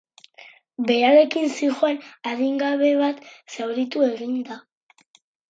Berarekin zihoan adingabe bat zauritu egin da.